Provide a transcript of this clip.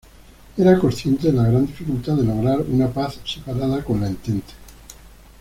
Era consciente de la gran dificultad de lograr una paz separada con la Entente.